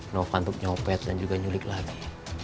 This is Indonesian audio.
novanto untuk nyopet dan juga nyulik lagi